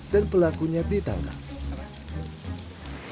dan pelakunya ditangkap